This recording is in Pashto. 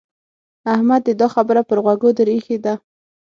احمد دې دا خبره پر غوږو در اېښې ده.